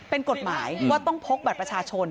เป็นกฎหมายว่าต้องพกบัตรประชาชน